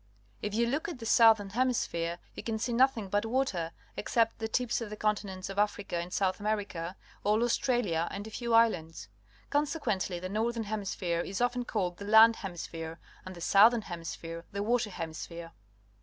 If you look at the Southern Hemisphere, you can see nothing but water, except the tips of the continents of Africa and South America, all Australia, and a few islands. Consequently, the Northern Hemisphere is often called the Land Hemisphere and the Southern Hemisphere the Water Hemisphere.